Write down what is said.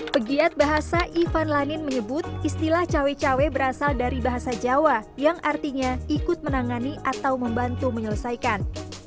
pegiat bahasa ivan lanin menyebut istilah cawe cawe berasal dari bahasa jawa yang artinya ikut menangani atau membantu menyelesaikan